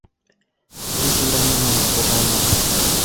Ул урынынан да ҡуҙғалманы.